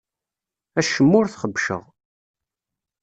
Acemma ur t-xebbceɣ.